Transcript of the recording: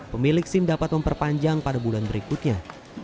pemilik sim dapat memperpanjang pada bulan berikutnya